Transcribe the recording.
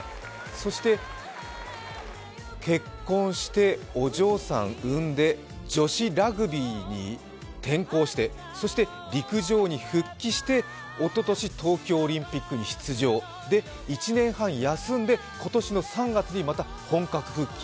そして結婚してお嬢さんを産んで女子ラグビーに転向してそして陸上に復帰して、東京オリンピックに出場、で、１年半休んで今年の３月にまた本格復帰。